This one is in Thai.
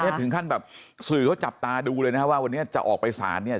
ถึงขั้นแบบสื่อเขาจับตาดูเลยนะว่าวันนี้จะออกไปศาลเนี่ย